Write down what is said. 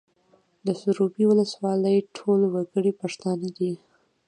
د سروبي ولسوالۍ ټول وګړي پښتانه دي